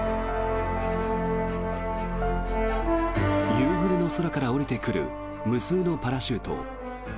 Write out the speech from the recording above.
夕暮れの空から降りてくる無数のパラシュート。